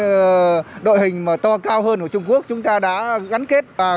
các đội hình to cao hơn của trung quốc chúng ta đã gắn kết